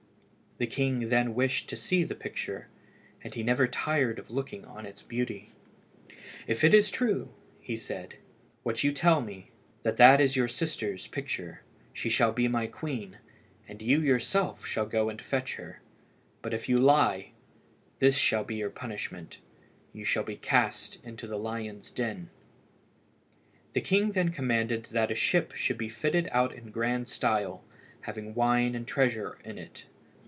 The king then wished to see the picture, and he never tired of looking on its beauty. "If it is true," said he, "what you tell me, that that is your sister's picture, she shall be my queen, and you yourself shall go and fetch her; but if you lie, this shall be your punishment, you shall be cast into the lions' den." The king then commanded that a ship should be fitted out in grand style, having wine and treasure in it.